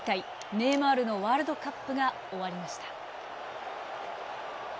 ネイマールのワールドカップが終わりました。